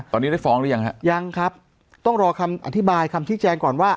ตอนนี้ได้ฟ้องหรือยังฮะยังครับต้องรอคำอธิบายคำชี้แจงก่อนว่า